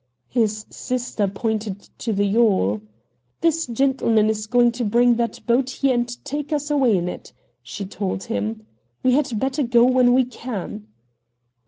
His sister pointed to the yawl. "This gentleman is going to bring that boat here and take us away in it," she told him. "We had better go when we can!"